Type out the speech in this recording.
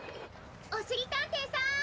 おしりたんていさん！